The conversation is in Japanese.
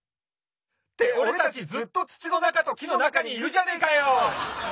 っておれたちずっとつちのなかときのなかにいるじゃねえかよ！